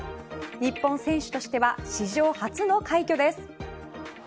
日本選手としては史上初の快挙です。